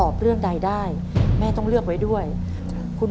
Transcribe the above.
แบบช่วยดูเสลจคือทำทุกอย่างที่ให้น้องอยู่กับแม่ได้นานที่สุด